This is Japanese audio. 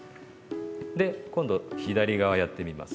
で今度左側やってみます。